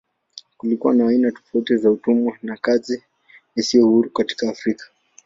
Kulikuwa na aina tofauti za utumwa na kazi isiyo huru katika Afrika.